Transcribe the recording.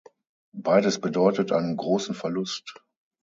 Beides bedeutet einen großen Verlust.